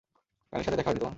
তানির সাথে দেখা হয়নি তোমার?